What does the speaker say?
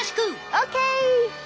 オーケー！